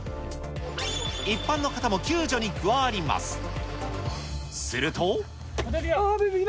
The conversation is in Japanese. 一般の方も救助に加わります。